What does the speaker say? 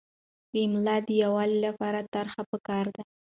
د املاء د یووالي لپاره طرحه پکار ده.